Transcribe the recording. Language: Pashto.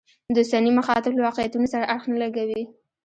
د اوسني مخاطب له واقعیتونو سره اړخ نه لګوي.